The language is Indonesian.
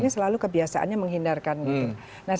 ini selalu kebiasaannya menghindarkan